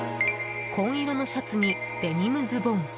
紺色のシャツにデニムズボン。